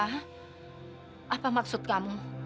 dinta apa maksud kamu